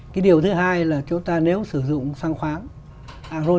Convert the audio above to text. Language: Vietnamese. cái điều thứ hai là chúng ta nếu sử dụng xăng khoáng ron chín mươi hai